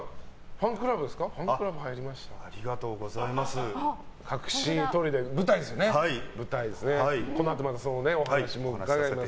ファンクラブ入りましたって。